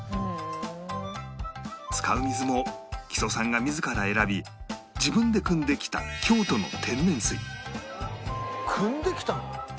使う水も木曽さんが自ら選び自分でくんできた京都の天然水くんできたの？